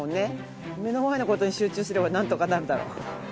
目の前の事に集中すればなんとかなるだろう。